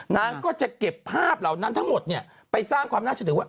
นางก็จะเก็บภาพเหล่านั้นทั้งหมดเนี่ยไปสร้างความน่าจะถือว่า